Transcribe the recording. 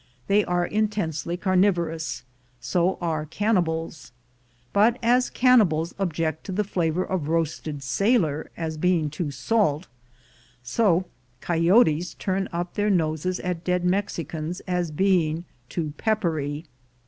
They are intensely carnivorous — so are can nibals; but as cannibals object to the flavor of roasted sailor as being too salt, so coyotes turn up their noses at dead Mexicans as being too peppery.